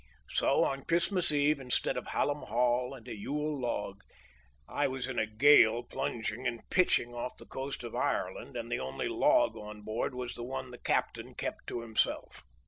So, on Christmas eve, instead of Hallam Hall and a Yule log, I was in a gale plunging and pitching off the coast of Ireland, and the only log on board was the one the captain kept to himself.